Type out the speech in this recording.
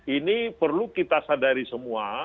ini perlu kita sadari semua